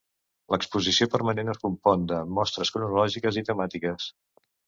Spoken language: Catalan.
L'exposició permanent es compon de mostres cronològiques i temàtiques.